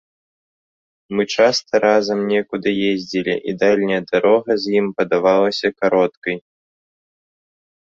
Мы часта разам некуды ездзілі, і дальняя дарога з ім падавалася кароткай.